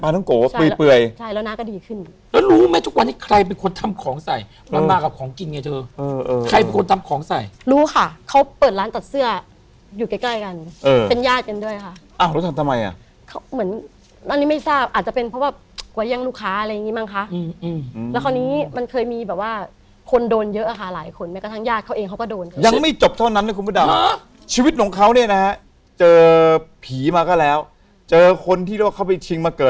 เสื้ออยู่ใกล้กันเป็นญาติกันด้วยค่ะอ่ะรู้สึกทำไมอ่ะเขาเหมือนนั่นนี่ไม่ทราบอาจจะเป็นเพราะว่าเวยงลูกค้าอะไรอย่างงี้บ้างค่ะอืมอืมแล้วคราวนี้มันเคยมีแบบว่าคนโดนเยอะอะค่ะหลายคนแม้กระทั้งญาติเขาเองเขาก็โดนยังไม่จบเท่านั้นนะคุณพุดดำชีวิตของเขาเนี่ยนะฮะเจอ